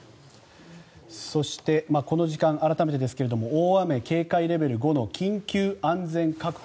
そしてこの時間改めてですけれども大雨警戒レベル５の緊急安全確保。